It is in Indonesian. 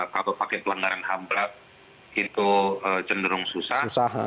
kalau pakai pelanggaran hambrak itu cenderung susah